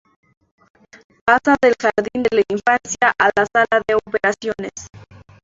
Pasa del jardín de la infancia a la sala de operaciones.